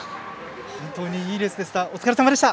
本当にいいレースでした。